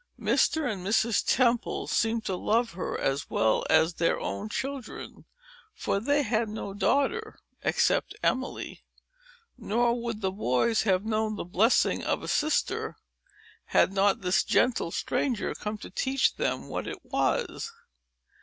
Mr. and Mrs. Temple seemed to love her as well as their own children; for they had no daughter except Emily; nor would the boys have known the blessing of a sister, had not this gentle stranger come to teach them what it was.